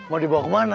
mau dibawa kemana